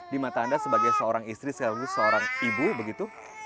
di mata anda sebagai seorang istri sekaligus seorang ibu begitu